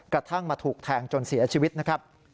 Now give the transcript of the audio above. กระทั่งมาถูกแทงจนเสียชีวิตนะครับ